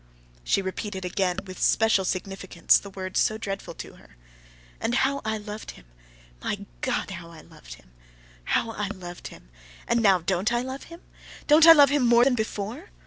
She repeated again with special significance the word so dreadful to her. "And how I loved him! my God, how I loved him!... How I loved him! And now don't I love him? Don't I love him more than before?